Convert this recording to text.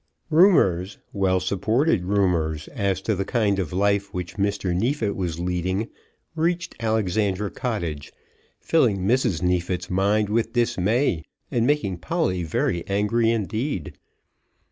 Rumours, well supported rumours, as to the kind of life which Mr. Neefit was leading reached Alexandra Cottage, filling Mrs. Neefit's mind with dismay, and making Polly very angry indeed.